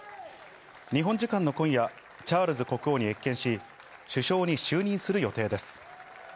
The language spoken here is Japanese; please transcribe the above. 日本時間の今夜、チャールズ国王に謁見し、首相に就任する予定です。